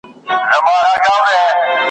بې اختیاره له یارانو بېلېده دي `